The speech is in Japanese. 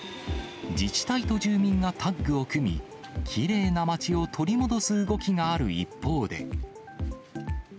自治体と住民がタッグを組み、きれいな街を取り戻す動きがある一方で。